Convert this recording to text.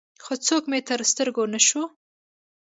خو څوک مې تر سترګو نه شو.